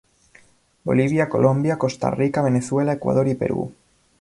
Bolivia, Colombia, Costa Rica, Venezuela, Ecuador y Perú.